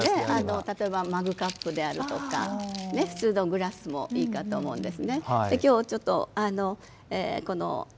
マグカップであるとか普通のグラスもいいかと思います。